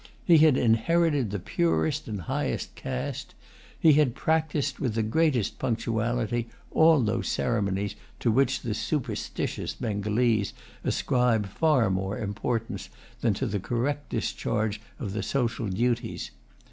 He had inherited the purest and highest caste. He had practised with the greatest punctuality all those ceremonies to which the superstitious Bengalese ascribe far more importance than to the correct discharge of the social duties.